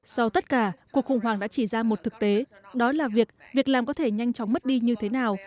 sau tất cả cuộc khủng hoảng đã chỉ ra một thực tế đó là việc việc làm có thể nhanh chóng mất đi như thế nào